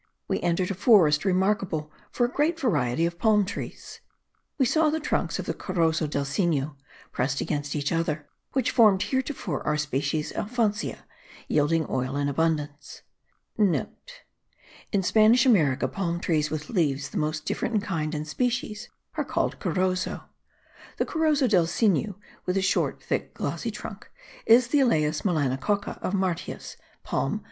we entered a forest remarkable for a great variety of palm trees. We saw the trunks of the Corozo del Sinu* pressed against each other, which formed heretofore our species Alfonsia, yielding oil in abundance (* In Spanish America palm trees with leaves the most different in kind and species are called Corozo: the Corozo del Sinu, with a short, thick, glossy trunk, is the Elaeis melanococca of Martius, Palm.